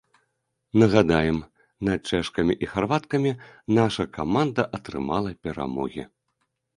Нагадаем, над чэшкамі і харваткамі наша каманда атрымала перамогі.